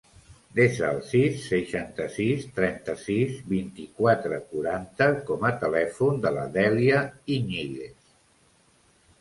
Desa el sis, seixanta-sis, trenta-sis, vint-i-quatre, quaranta com a telèfon de la Dèlia Iñiguez.